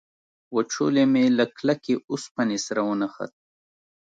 وچولی مې له کلکې اوسپنې سره ونښت.